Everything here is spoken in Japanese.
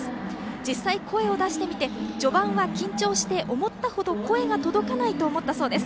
実際、声を出してみて序盤は緊張して思ったほど声が届かないと思ったそうです。